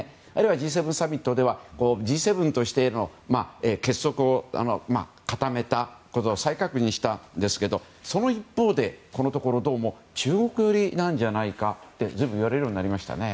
Ｇ７サミットではＧ７としての結束を固めたことを再確認したんですがその一方で、このところどうも中国寄りなのではないかと随分いわれるようになりましたね。